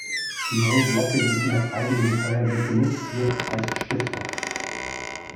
Die neue Glocke, die von der Freiwilligen Feuerwehr genutzt wird, heißt „Stifter“.